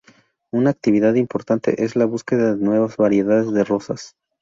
Una actividad importante es la búsqueda de nuevas variedades de rosas.